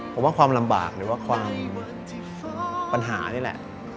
ผมว่าความลำบากหรือว่าความปัญหานี่แหละ